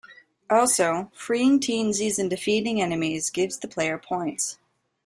Also, freeing Teensies and defeating enemies gives the player points.